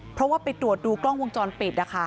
เพราะว่าไปตรวจดูกล้องวงจรปิดนะคะ